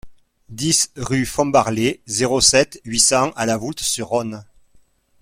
dix rue Fombarlet, zéro sept, huit cents à La Voulte-sur-Rhône